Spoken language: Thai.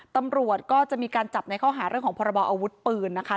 ตำรวจก็จะมีการจับในข้อหาเรื่องของพรบออาวุธปืนนะคะ